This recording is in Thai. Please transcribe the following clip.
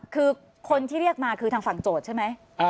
คือคนที่เรียกมาคือทางฝั่งโจทย์ใช่ไหม